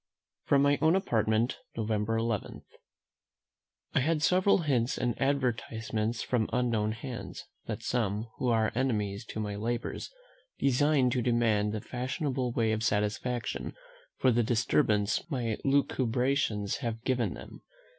From my own Apartment, November 11. I had several hints and advertisements from unknown hands, that some, who are enemies to my labours, design to demand the fashionable way of satisfaction for the disturbance my Lucubrations have given them.